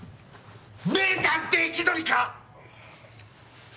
名探偵気取りか！